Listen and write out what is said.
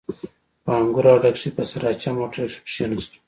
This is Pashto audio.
په انګور اډه کښې په سراچه موټر کښې کښېناستو.